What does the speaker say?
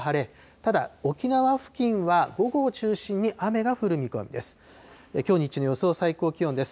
ただ、沖縄付近は午後を中心に雨が降る見込みです。